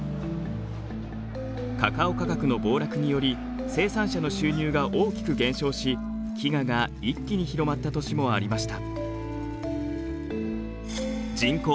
カカオ価格の暴落により生産者の収入が大きく減少し飢餓が一気に広まった年もありました。